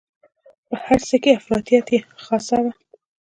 په هر څه کې افراطیت یې خاصه وه.